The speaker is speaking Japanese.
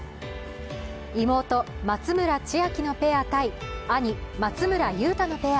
妹、松村千秋のペア×兄、松村雄太のペア。